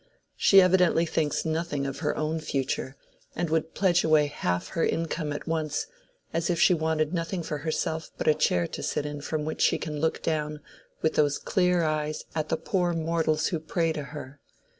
She evidently thinks nothing of her own future, and would pledge away half her income at once, as if she wanted nothing for herself but a chair to sit in from which she can look down with those clear eyes at the poor mortals who pray to her.